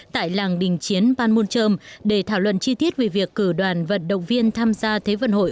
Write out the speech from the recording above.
tại làng đình chiến panmunjom để thảo luận chi tiết về việc cử đoàn vận động viên tham gia thế vận hội